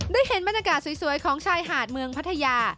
ได้เห็นบรรยากาศสวยของชายหาดเมืองพัทยา